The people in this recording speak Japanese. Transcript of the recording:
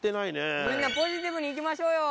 みんなポジティブにいきましょうよ。